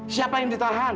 siapa yang ditahan